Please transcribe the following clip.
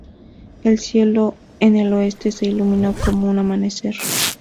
El cielo en el oeste se iluminó como un amanecer.